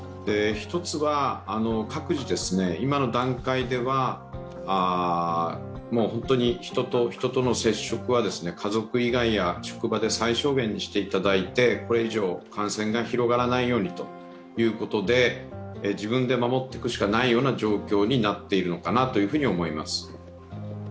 一つは各自、今の段階では人と人との接触は家族以外や職場で最小限にしていただいて、これ以上、感染が広がらないようにということで、自分で守ってくいかないような状況になっているのかなと思います。